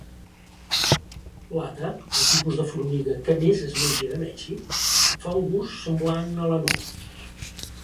L'"atta", el tipus de formiga que més es menja en Mèxic, fa un gust semblant a la nou.